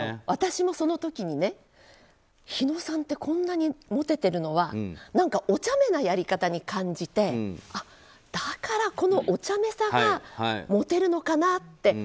私もその時に火野さんってこんなにモテてるのはおちゃめなやり方に感じてだから、このおちゃめさがモテるのかなって。